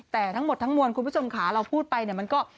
แต่ทั้งหมดทั้งมวลคุณผู้ชมขาเราพูดไปเนี่ยมันก็